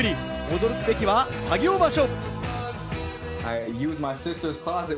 驚くべきは作業場所。